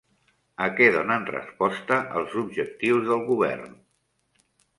A què donen resposta els objectius del govern?